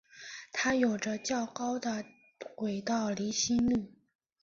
它有着较高的轨道离心率。